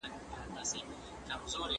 درناوی پکښي کيږي او ټولو ته منل سوی دی. موږ